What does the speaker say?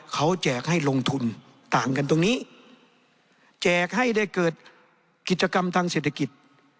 เขาแจกให้ลงทุนต่างกันตรงนี้แจกให้ได้เกิดกิจกรรมทางเศรษฐกิจ